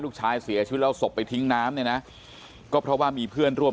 เสียชีวิตแล้วศพไปทิ้งน้ำเนี่ยนะก็เพราะว่ามีเพื่อนร่วม